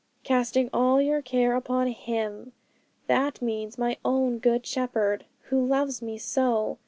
'"Casting all your care upon Him" that means my own Good Shepherd, who loves me so.